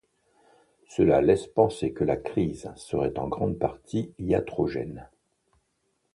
Cela laisse penser que la crise serait en grande partie iatrogène.